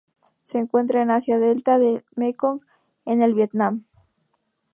Se encuentran en Asia: delta del Mekong en el Vietnam.